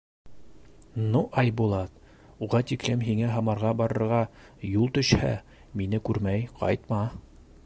Ну, Айбулат, уға тиклем һиңә Һамарға барырға юл төшһә, мине күрмәй ҡайтма.